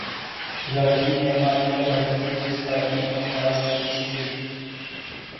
راضی میں عالیہ بھٹ کی جذباتی انداز میں رخصتی